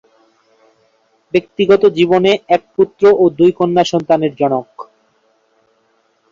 ব্যক্তিগত জীবনে এক পুত্র ও দুই কন্যা সন্তানের জনক।